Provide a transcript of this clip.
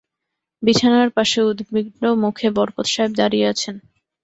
বিছানার পাশে উদ্বিগ্ন মুখে বরকত সাহেব দাঁড়িয়ে আছেন।